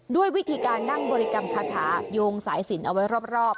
ด้วยวิธีการนั่งบริกรรมคาถาโยงสายสินเอาไว้รอบ